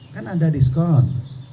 kan ada diskon